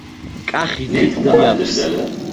კახის დიდი ცხვირი აქვს